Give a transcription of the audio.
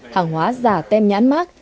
hàng hóa giả tem nhãn mát